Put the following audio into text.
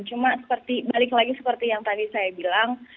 cuma balik lagi seperti yang tadi saya bilang